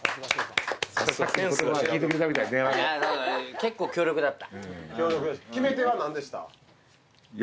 結構強力だった。